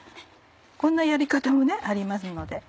こんなやり方もありますので。